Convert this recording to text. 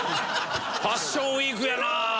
ファッションウィークやな。